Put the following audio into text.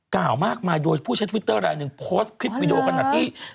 กล่าวมากมายโดยผู้ใช้ทวิตเตอร์รายหนึ่งโพสต์คลิปวิดีโอขนาดที่